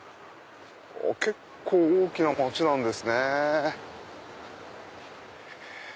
結構大きな街なんですね。